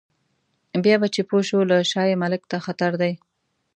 بیا به چې پوه شو له شا یې مالک ته خطر دی.